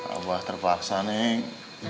abah terpaksa nih